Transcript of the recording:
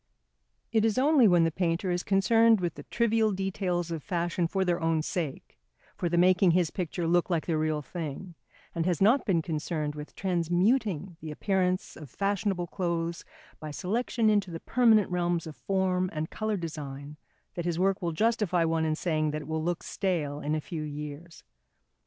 It is only when the painter is concerned with the trivial details of fashion for their own sake, for the making his picture look like the real thing, and has not been concerned with transmuting the appearance of fashionable clothes by selection into the permanent realms of form and colour design, that his work will justify one in saying that it will look stale in a few years.